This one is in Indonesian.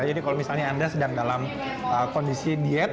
jadi kalau misalnya anda sedang dalam kondisi diet